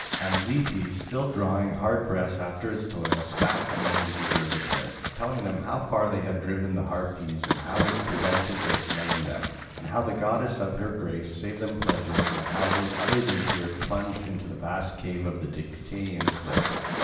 And Zetes, still drawing hard breath after his toil, spake among the eager listeners, telling them how far they had driven the Harpies and how his prevented their slaying them, and how the goddess of her grace gave them pledges, and how those others in fear plunged into the vast cave of the Dictaean cliff.